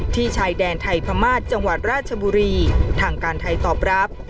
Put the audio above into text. ชายแดนไทยพม่าจังหวัดราชบุรีทางการไทยตอบรับ